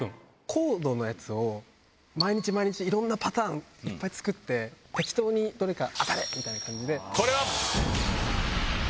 コードのやつを毎日毎日いろんなパターンいっぱい作って適当にどれか。